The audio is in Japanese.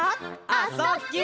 「あ・そ・ぎゅ」